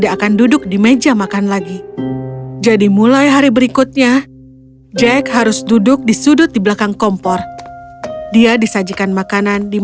aku akan mulai mandi